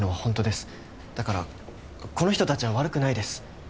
だからこの人たちは悪くないです。